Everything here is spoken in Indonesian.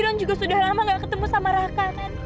juga sudah lama gak ketemu sama raka